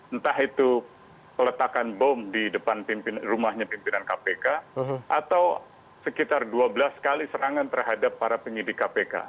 entah itu peletakan bom di depan rumahnya pimpinan kpk atau sekitar dua belas kali serangan terhadap para penyidik kpk